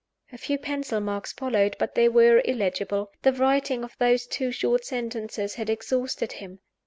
A few pencil marks followed; but they were illegible. The writing of those two short sentences had exhausted him.